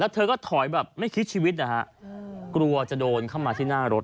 เธอก็ถอยแบบไม่คิดชีวิตนะฮะกลัวจะโดนเข้ามาที่หน้ารถ